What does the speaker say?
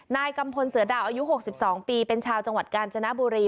นายกำพลเสือด่าวอายุหกสิบสองปีเป็นชาวจังหวัดกาญจนบุรี